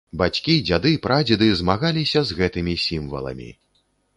Бацькі, дзяды, прадзеды змагаліся з гэтымі сімваламі.